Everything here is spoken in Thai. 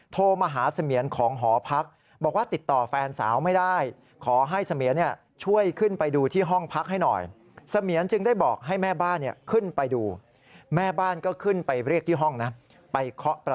โทรมาหาเสมียรของหอพักบอกว่าติดต่อแฟนสาวไม่ได้